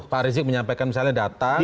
pak rizik menyampaikan misalnya datang